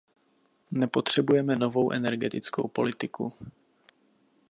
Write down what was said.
Nepotřebujeme novou energetickou politiku.